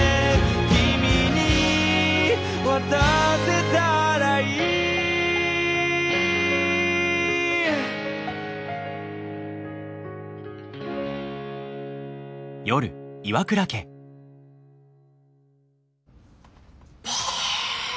「君に渡せたらいい」ばえー！